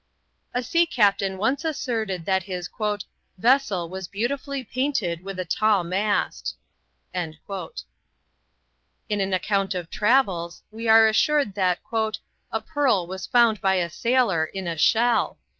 A sea captain once asserted that his "vessel was beautifully painted with a tall mast." In an account of travels we are assured that "a pearl was found by a sailor in a shell."